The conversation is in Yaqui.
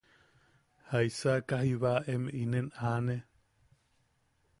–¿Jaisaka jiiba em inen aane?